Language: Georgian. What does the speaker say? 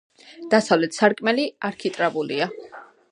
დასავლეთ სარკმელი არქიტრავულია.